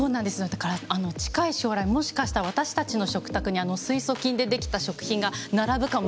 だから近い将来もしかしたら私たちの食卓に水素菌で出来た食品が並ぶかもしれないという。